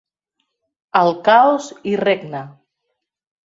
El caos hi regna.